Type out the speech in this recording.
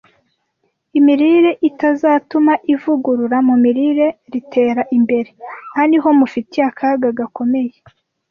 imirire itazatuma ivugurura mu mirire ritera imbere. Aha ni ho mufitiye akaga gakomeye